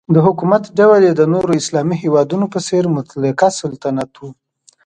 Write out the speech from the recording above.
د حکومت ډول یې د نورو اسلامي هیوادونو په څېر مطلقه سلطنت و.